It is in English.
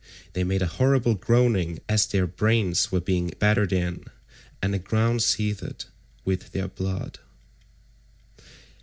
They made a horrible groaning as their brains were being battered in, and the ground seethed with their blood.